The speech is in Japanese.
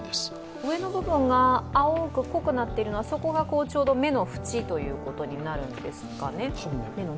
上の部分が青く濃くなっているのが、底がちょうど目の縁ということになるんですかね。